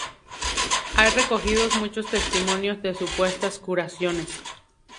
Hay recogidos muchos testimonios de supuestas curaciones.